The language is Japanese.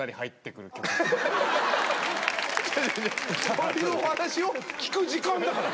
そういうお話を聞く時間だから。